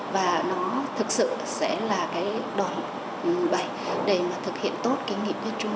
và nó thực sự sẽ là cái đoạn bày để mà thực hiện tốt kinh nghiệm chung